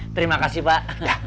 terima kasih pak